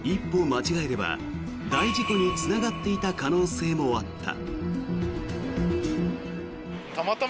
間違えれば大事故につながった可能性もあった。